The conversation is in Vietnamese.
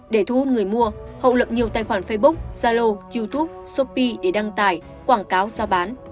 để thu hút người mua hậu lập nhiều tài khoản facebook zalo youtube shopee để đăng tải quảng cáo giao bán